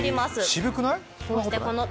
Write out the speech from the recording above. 渋くない？